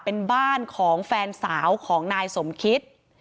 เป็นบ้านของแฟนสาวของนายสมคิต